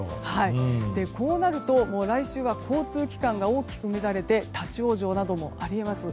こうなると、来週は交通機関が大きく乱れて立ち往生などもあり得ます。